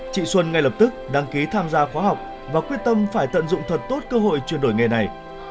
chị xuân ngay lập tức đăng ký tham gia khóa học và quyết tâm phải tận dụng thật tốt cơ hội chuyển đổi nghề này